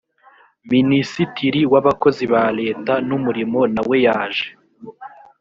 minisitiri w’abakozi ba leta n’umurimo na we yaje